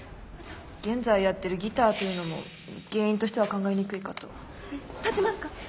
現在やってるギターというのも原因としては考えにくいかと立てますか？